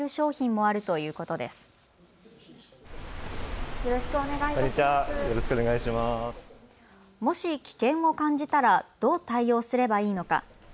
もし危険を感じたらどう対応すればいいのか。